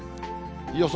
予想